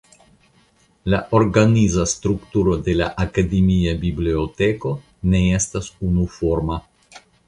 La organiza strukturo de la akademia biblioteko ne estas unuforma.